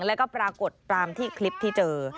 แล้วก็ปรากฏตามที่คลิปที่เจอ